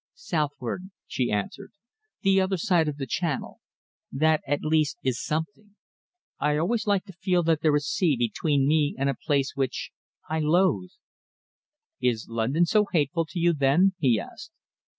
"Southward," she answered. "The other side of the Channel. That, at least, is something. I always like to feel that there is sea between me and a place which I loathe!" "Is London so hateful to you, then?" he asked.